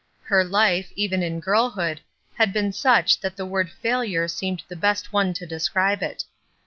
Her life, even in girlhood, had been such that the word "failure" seemed the best one to describe it.